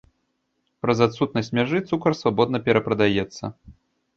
Праз адсутнасць мяжы цукар свабодна перапрадаецца.